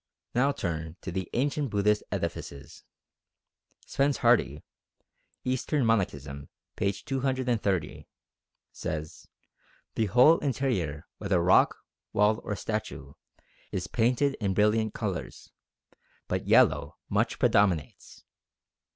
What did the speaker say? Now turn to the ancient Buddhist edifices. Spence Hardy (Eastern Monachism, p. 230) says: "The whole interior, whether rock, wall, or statue, is painted in brilliant colours, but yellow much predominates.